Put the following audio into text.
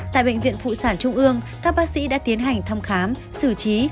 tại bệnh viện phụ sản trung ương các bác sĩ đã tiến hành thăm khám xử trí